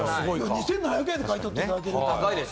２７００円で買い取っていただける。